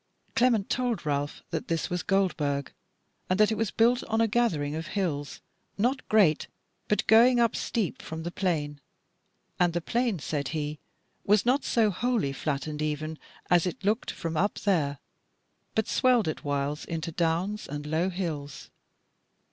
Clement told Ralph that this was Goldburg and that it was built on a gathering of hills, not great, but going up steep from the plain. And the plain, said he, was not so wholly flat and even as it looked from up there, but swelled at whiles into downs and low hills.